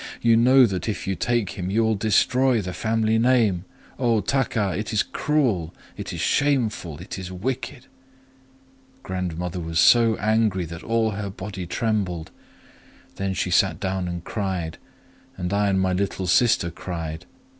You know that if you take him, you will destroy the family name! O Taka, it is cruel! it is shameful! it is wicked!' Grandmother was so angry that all her body trembled. Then she sat down and cried; and I and my little sister cried.